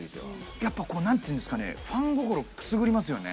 やっぱこう何て言うんですかねファン心くすぐりますよね。